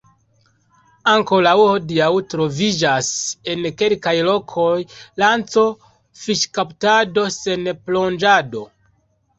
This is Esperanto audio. Ankoraŭ hodiaŭ, troviĝas en kelkaj lokoj lanco-fiŝkaptado sen plonĝado.